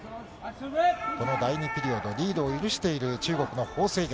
この第２ピリオド、リードを許している中国のホウ倩玉。